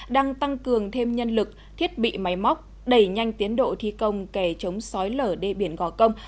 đang tăng cường thêm nhân lực thiết bị máy móc đẩy nhanh tiến độ thi công kè chống sói lở đê biển gò công